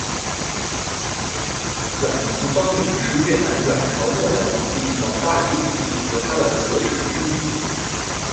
阮福芳明是越南阮朝末代皇帝保大帝皇帝和他的侧室之女。